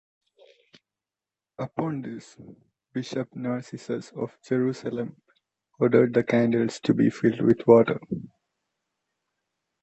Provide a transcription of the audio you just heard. Upon this, Bishop Narcissus of Jerusalem ordered the candles to be filled with water.